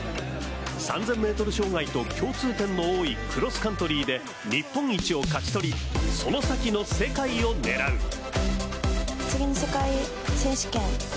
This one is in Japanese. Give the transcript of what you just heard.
３０００ｍ障害と共通点の多いクロスカントリーで日本一を勝ち取りその先の世界を狙う。